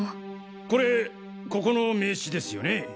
これここの名刺ですよね？